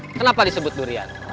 kenapa disebut durian